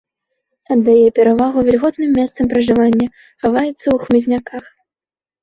Аддае перавагу вільготным месцам пражывання, хаваецца ў хмызняках.